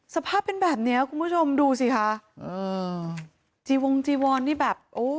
สภาพเป็นแบบเนี้ยคุณผู้ชมดูสิคะเออจีวงจีวอนนี่แบบโอ้